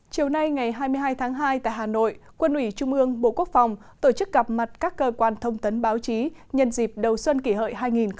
chiều nay ngày hai mươi hai tháng hai tại hà nội quân ủy trung ương bộ quốc phòng tổ chức gặp mặt các cơ quan thông tấn báo chí nhân dịp đầu xuân kỷ hợi hai nghìn một mươi chín